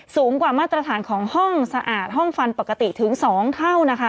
สูงกว่ามาตรฐานของห้องสะอาดห้องฟันปกติถึง๒เท่านะคะ